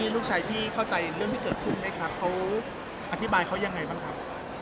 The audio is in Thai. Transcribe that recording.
ลูกชายพี่เข้าใจเรื่องที่เกิดขึ้นไหมครับเขาอธิบายเขายังไงบ้างครับ